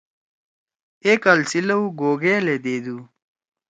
اے کال سی لؤ گوگألے دیدُو۔